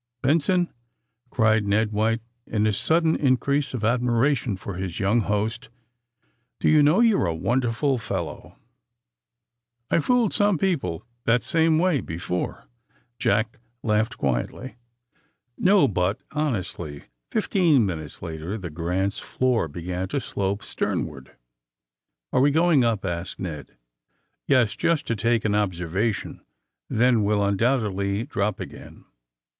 "Benson," cried Ned White, in a sudden in crease of admiration for his young host, "do you know, you're a wonderful fellow 1" "I've fooled some people that same way bo fore," Jack laughed quietly. 174 THE SUBMAEINE BOYS <^Ho— but honestly!'' Fifteen minutes later tlie Grant's" floor be gan to slope sternward. ^^Are we going npl" asked Ned. *^^Yes; jnst to take an observation. Then we'll iindonbtedly drop again."